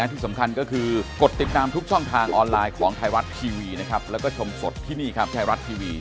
ท่านต้องลงมาจัดการ